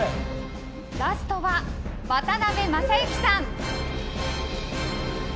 ラストは、渡辺正行さん